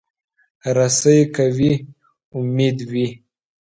رسۍ که وي، امید وي.